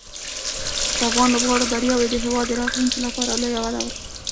د افغان لوبغاړو بریاوې د هېواد د راتلونکي لپاره لویه وده ورکوي.